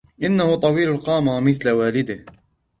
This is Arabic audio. إنهُ طويل القامة مِثل والدهُ.